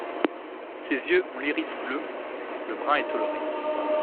Ses yeux ont l'iris bleu, le brun est toléré.